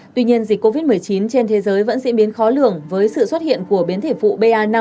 tuy nhiên dịch covid một mươi chín trên thế giới vẫn diễn biến khó lường với sự xuất hiện của biến thể phụ ba năm